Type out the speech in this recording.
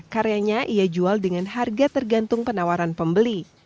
karyanya ia jual dengan harga tergantung penawaran pembeli